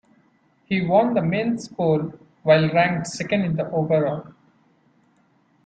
He won the men's poll while ranked second in the overall.